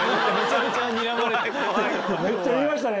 めっちゃ見ましたね